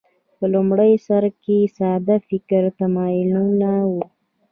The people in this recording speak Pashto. په لومړي سر کې ساده فکري تمایلونه وو